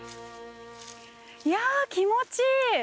いや気持ちいい。